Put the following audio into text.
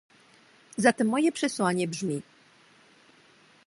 Zatem moje przesłanie brzmi